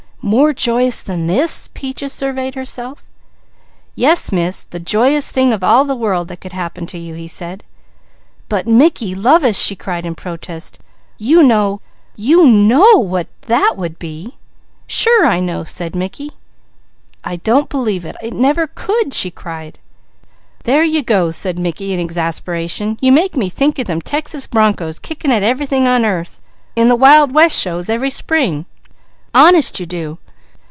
"More joyous than this?" Peaches surveyed herself. "Yes, Miss! The joyousest thing of all the world that could happen to you," he said. "But Mickey lovest!" she cried in protest. "You know you know what that would be!" "Sure I know!" said Mickey. "I don't believe it! It never could!" she cried. "There you go!" said Mickey in exasperation. "You make me think of them Texas bronchos kicking at everything on earth, in the Wild West shows every spring. Honest you do!"